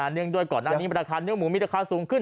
เนื่องด้วยก่อนอันนี้ราคาเนื้อหมูมีราคาสูงขึ้น